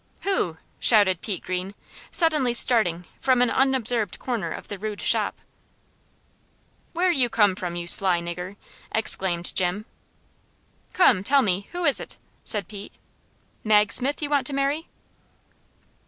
"Who?" shouted Pete Greene, suddenly starting from an unobserved corner of the rude shop. "Where you come from, you sly nigger!" exclaimed Jim. "Come, tell me, who is't?" said Pete; "Mag Smith, you want to marry?"